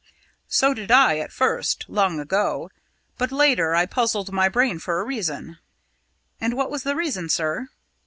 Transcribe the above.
"So did I at first long ago. But later I puzzled my brain for a reason." "And what was the reason, sir?"